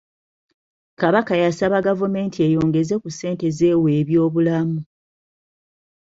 Kabaka yasaba gavumenti eyongeze ku ssente z'ewa eby'obulamu.